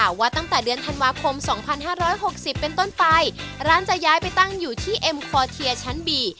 หรือว่าตั้งแต่เดือนธันวาคมสองพันห้าร้อยหกสิบเป็นต้นไปร้านจะย้ายไปตั้งอยู่ที่เอ็มควอเทียชั้นบี